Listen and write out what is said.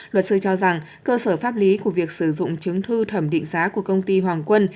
luật sư cho rằng cơ sở pháp lý của việc sử dụng chứng thư thẩm định giá của công ty hoàng quân